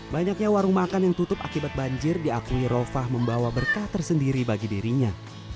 banyaknya warung makan yang tutup akibat banjir diakui rofah membawa berkah tersendiri bagi dirinya